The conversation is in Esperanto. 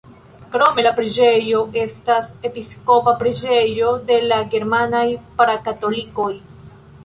Krome la preĝejo estas episkopa preĝejo de la germanaj pra-katolikoj.